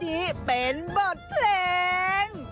เซฟดีเป็นบทเพลง